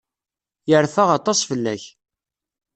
Yerfa aṭas fell-ak.